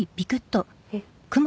えっ？